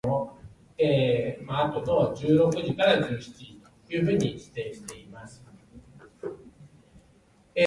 風が吹き雨が降って、寒く冷たいさま。